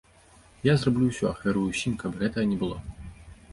Я зраблю ўсё, ахвярую ўсім, каб гэтага не было.